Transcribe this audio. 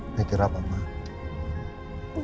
berpikir apa mama